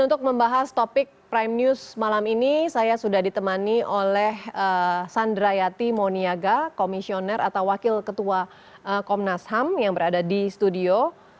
untuk membahas topik prime news malam ini saya sudah ditemani oleh sandrayati moniaga komisioner atau wakil ketua komnas ham yang berada di studio